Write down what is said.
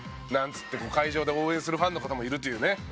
なんつって会場で応援するファンの方もいるというね。